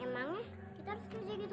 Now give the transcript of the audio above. emangnya kita harus kerja gitu